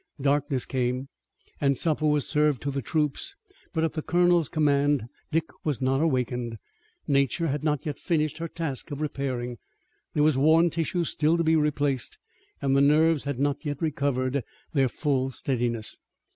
Darkness came, and supper was served to the troops, but at the colonel's command Dick was not awakened. Nature had not yet finished her task of repairing. There was worn tissue still to be replaced, and the nerves had not yet recovered their full steadiness.